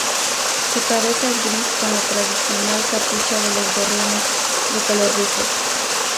Su cabeza es gris con la tradicional capucha de los gorriones, de color rufo.